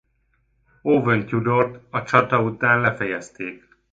Owen Tudort a csata után lefejezték.